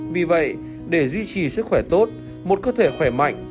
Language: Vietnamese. vì vậy để duy trì sức khỏe tốt một cơ thể khỏe mạnh